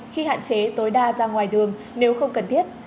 khi hạn chế tối đa ra ngoài đường nếu không cần thiết